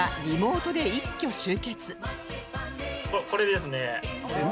これですね。